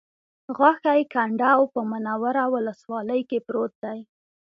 غاښی کنډو په منوره ولسوالۍ کې پروت دی